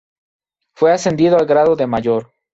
Fue ascendido al grado de mayor.